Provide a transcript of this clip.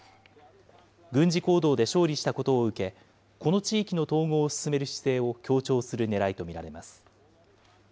軍事行動で勝利したことを受け、この地域の統合を進める姿勢を強調するねらいと見られます。